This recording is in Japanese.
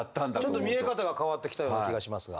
ちょっと見え方が変わってきたような気がしますが。